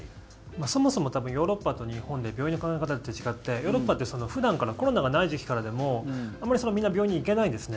そもそもヨーロッパと日本で病院の考え方って違ってヨーロッパって普段からコロナがない時期からもみんな病院に行けないんですね。